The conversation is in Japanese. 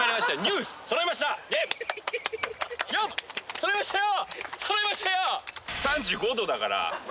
そろいましたよ！